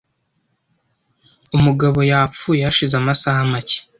Umugabo yapfuye hashize amasaha make .